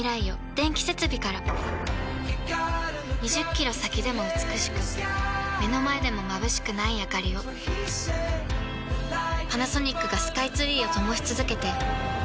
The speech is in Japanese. ２０キロ先でも美しく目の前でもまぶしくないあかりをパナソニックがスカイツリーを灯し続けて今年で１０年